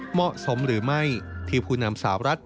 เหมาะสมหรือไม่ที่ผู้นำสาวรัฐ